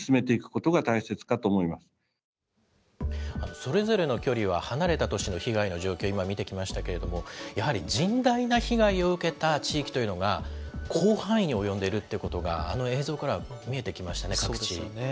それぞれの距離は離れた都市の被害の状況を今見てきましたけれども、やはり甚大な被害を受けた地域というのが、広範囲に及んでいるということが、あの映像から見えてきましたね、各地。